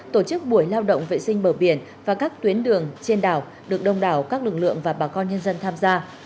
tổ chức buổi lao động vệ sinh bờ biển và các tuyến đường trên đảo được đông đảo các lực lượng và bà con nhân dân tham gia